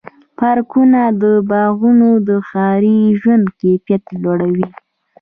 پارکونه او باغونه د ښاري ژوند کیفیت لوړوي.